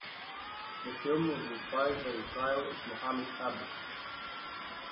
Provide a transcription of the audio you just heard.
The film was inspired by the trial of Mohamed Tabet.